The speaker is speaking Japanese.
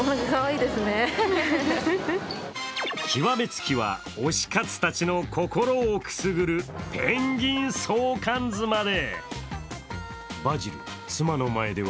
極めつきは、推し活たちの心をくすぐるペンギン相関図まで。